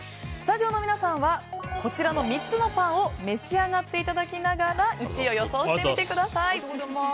スタジオの皆さんはこちらの３つのパンを召し上がっていただきながら１位を予想してみてください。